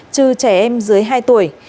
trừ trẻ em dưới hai tuổi